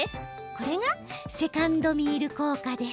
これがセカンドミール効果です。